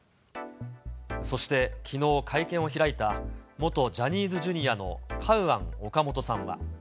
そしてきのう会見を開いた、元ジャニーズＪｒ．のカウアン・オカモトさんは。